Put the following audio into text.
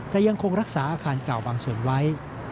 แต่ยังคงรักษาอาคารเก่าบางส่วนไว้